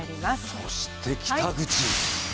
そして北口。